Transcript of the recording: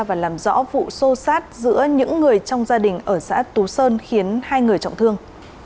và làm rõ vụ xô xát giữa những người trong gia đình ở xã tú sơn khiến hai người trọng thương